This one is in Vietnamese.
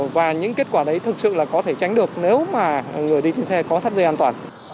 và những kết quả đấy thực sự là có thể tránh được nếu mà người đi trên xe có thắt dây an toàn